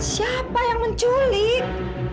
siapa yang menculik